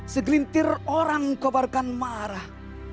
segelintir orang kebarkan marah